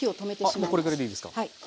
あっもうこれぐらいでいいですか。